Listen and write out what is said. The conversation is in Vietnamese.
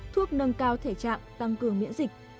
thuốc nâng cao thể trạng tăng cường miễn dịch